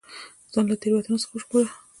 ځان له تېروتنو څخه وژغورو.